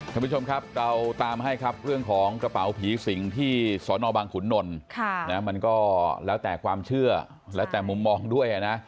ท่านผู้ชมครับเราตามให้ครับเรื่องของกระเป๋าผีสิงที่สนบังขุนนลมันก็แล้วแต่ความเชื่อแล้วแต่มุมมองด้วยนะ